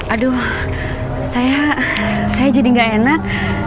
aduh saya jadi gak enak